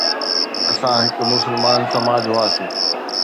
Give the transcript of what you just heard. اسان هڪ مسلمان سماج هئاسين.